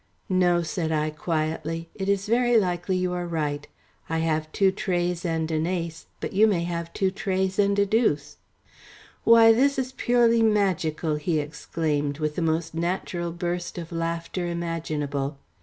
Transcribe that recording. "No," said I quietly. "It is very likely you are right: I have two treys and an ace, but you may have two treys and a deuce." "Why, this is purely magical," he exclaimed, with the most natural burst of laughter imaginable.